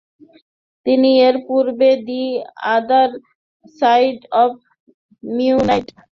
তিনি এর পূর্বে "the other side of midnight" চলচ্চিত্রে অভিনয়ের সুযোগ হাতছাড়া করেন।